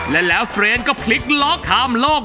และแล้วเฟรนก็พลิกล็อกข้ามโลก